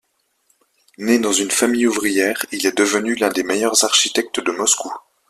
Né dans une famille ouvrière, il est devenu l'un des meilleurs architectes de Moscou.